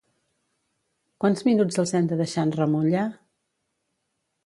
Quants minuts els hem de deixar en remulla?